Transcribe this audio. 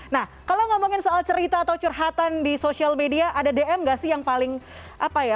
nah kalau ngomongin soal cerita atau curhatan di sosial media ada dm gak sih yang paling apa ya